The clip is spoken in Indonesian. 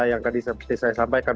yang tadi seperti saya sampaikan